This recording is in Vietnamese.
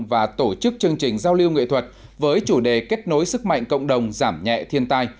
và tổ chức chương trình giao lưu nghệ thuật với chủ đề kết nối sức mạnh cộng đồng giảm nhẹ thiên tai